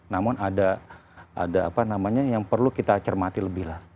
namun ada apa namanya yang perlu kita cermati lebih lah